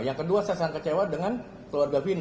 yang kedua saya sangat kecewa dengan keluarga vina